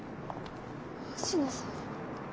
星野さん。